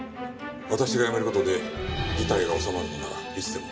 私が辞める事で事態が収まるのならいつでも。